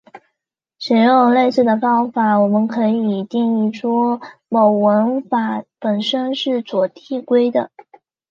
使用类似的方式我们可以定义出某文法本身是左递归的。